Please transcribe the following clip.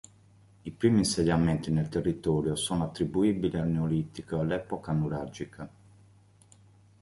I primi insediamenti nel territorio sono attribuibili al Neolitico e all'epoca nuragica.